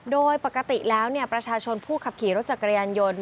โดยปกติแล้วประชาชนผู้ขับขี่รถจักรยานยนต์